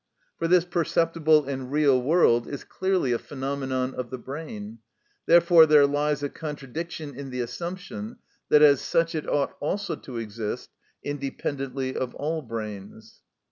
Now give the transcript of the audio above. For this perceptible and real world is clearly a phenomenon of the brain; therefore there lies a contradiction in the assumption that as such it ought also to exist independently of all brains.